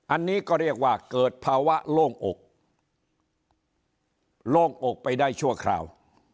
อันนี้ก็เรียกว่าเกิดภาวะโล่งอกโล่งอกไปได้ชั่วคราว